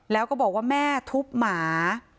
แล้วก็บอกว่าแม่ทุบหมา